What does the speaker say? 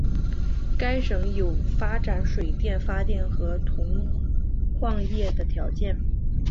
该省有发展水力发电和铜矿业的条件。